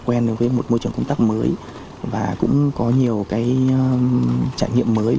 quen với một môi trường công tác mới và cũng có nhiều trải nghiệm mới